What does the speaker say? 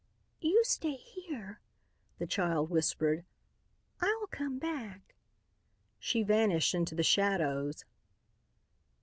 "You stay here," the child whispered. "I'll come back." She vanished into the shadows.